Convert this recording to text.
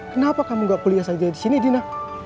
kenapa kamu gak kuliah saja di sini dinak